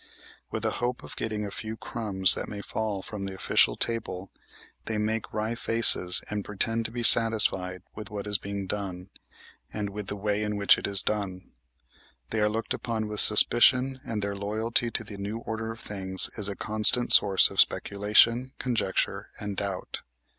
With a hope of getting a few crumbs that may fall from the official table they make wry faces and pretend to be satisfied with what is being done, and with the way in which it is done. They are looked upon with suspicion and their loyalty to the new order of things is a constant source of speculation, conjecture, and doubt.